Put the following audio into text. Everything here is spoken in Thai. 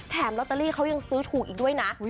ลอตเตอรี่เขายังซื้อถูกอีกด้วยนะ